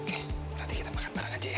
oke berarti kita makan bareng aja ya